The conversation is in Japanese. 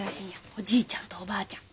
おじいちゃんとおばあちゃん。